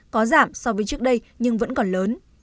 có giảm so với trước đây nhưng vẫn còn lớn